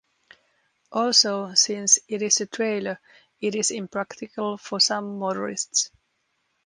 Also, since it is a trailer, it is impractical for some motorists.